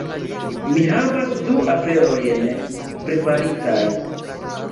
mi havas du aferojn preparitaj